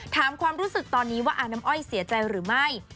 ความรู้สึกตอนนี้ว่าอาน้ำอ้อยเสียใจหรือไม่